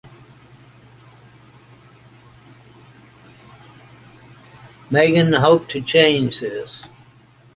Meighen hoped to change this.